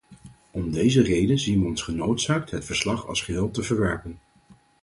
Om deze reden zien we ons genoodzaakt het verslag als geheel te verwerpen.